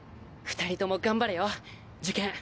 ２人とも頑張れよ受験。